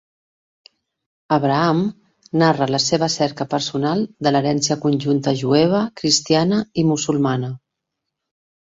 "Abraham" narra la seva cerca personal de l'herència conjunta jueva, cristiana i musulmana.